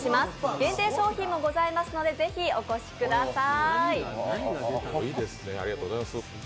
限定商品もございますので、ぜひお越しください。